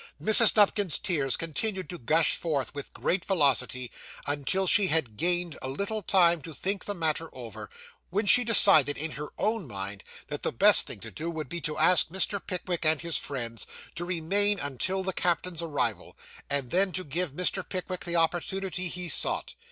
Mrs. Nupkins's tears continued to gush forth, with great velocity, until she had gained a little time to think the matter over; when she decided, in her own mind, that the best thing to do would be to ask Mr. Pickwick and his friends to remain until the captain's arrival, and then to give Mr. Pickwick the opportunity he sought.